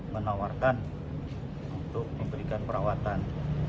menawarkan untuk memberikan perawatan